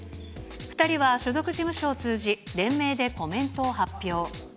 ２人は所属事務所を通じ、連名でコメントを発表。